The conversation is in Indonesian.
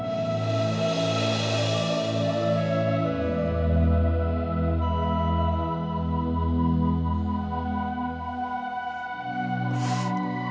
biar nanti semua saya yang tanggung